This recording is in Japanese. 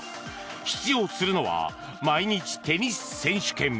出場するのは毎日テニス選手権。